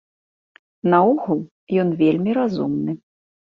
Наогул, ён вельмі разумны.